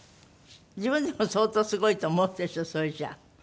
自分でも相当すごいと思うでしょそれじゃあ。